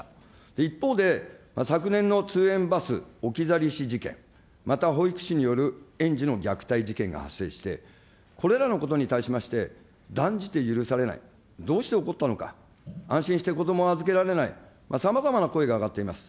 一方で、昨年の通園バス置き去り死事件、また保育士による園児の虐待事件が発生して、これらのことに対しまして、断じて許されない、どうして起こったのか、安心してこどもを預けられない、さまざまな声が上がっています。